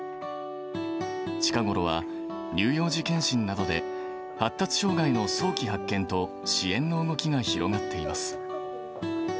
近頃は、乳幼児健診などで、発達障害の早期発見と、支援の動きが広がっています。